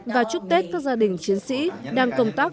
và chúc tết các gia đình chiến sĩ đang công tác